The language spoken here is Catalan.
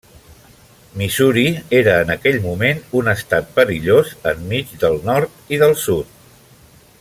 Missouri era en aquell moment un estat perillós, enmig del Nord i del Sud.